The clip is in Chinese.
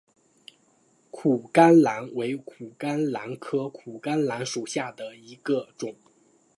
苦槛蓝为苦槛蓝科苦槛蓝属下的一个种。